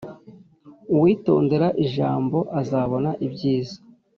Uwitondera Ijambo azabona ibyiza